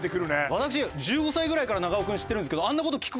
私１５歳ぐらいから長尾君知ってるんですけど。